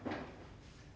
tentang apa yang terjadi